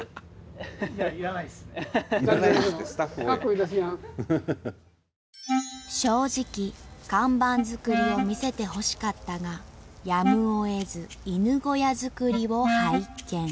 なんと正直看板作りを見せてほしかったがやむをえず犬小屋作りを拝見。